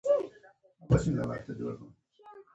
آب وهوا د افغانستان د سیلګرۍ یوه برخه ده.